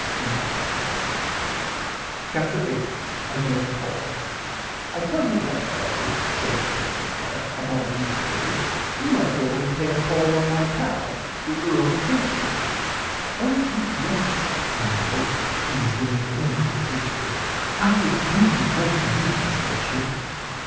[Pg 79] CHAPTER 8 A GAY CALL I tell you what Ethel said Bernard Clark about a week later we might go and pay a call on my pal the Earl of Clincham. Oh do lets cried Ethel who was game for any new adventure I would dearly love to meet his lordship.